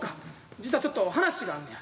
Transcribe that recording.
実はちょっと話があんねや。